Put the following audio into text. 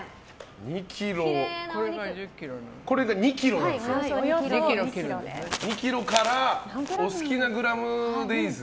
これが２ｋｇなんです。